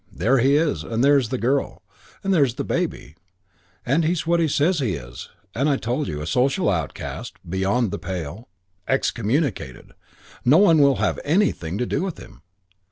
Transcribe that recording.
There he is, and there's the girl, and there's the baby; and he's what he says he is what I told you: a social outcast, beyond the pale, ostracized, excommunicated. No one will have anything to do with him.